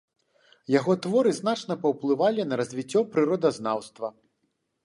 Яго творы значна паўплывалі на развіццё прыродазнаўства.